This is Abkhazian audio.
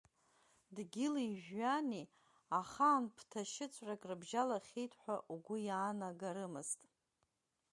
Дгьыли-жәҩани ахаан ԥҭа шьыҵәрак рыбжьалахьеит ҳәа угәы иаанагарымызт.